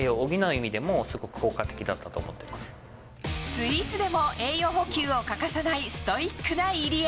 スイーツでも栄養補給を欠かさないストイックな入江。